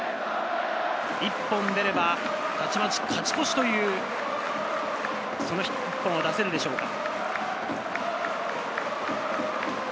一本出ればたちまち勝ち越しという、その１本が出せるでしょうか。